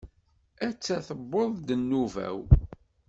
Atta tewweḍ-d nnuba-w.